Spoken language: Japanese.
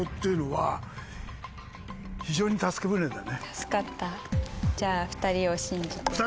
助かったじゃあ２人を信じて。